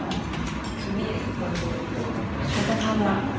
ทำไมแกทำกันมาให้น้องบีกลับมานี่